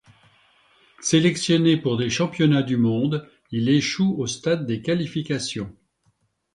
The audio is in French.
Sélectionné pour les championnats du monde, il échoue au stade des qualifications.